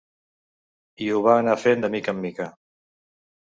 I ho va anar fent de mica en mica.